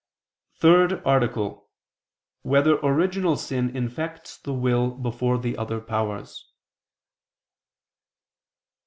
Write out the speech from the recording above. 83, Art. 3] Whether Original Sin Infects the Will Before the Other Powers?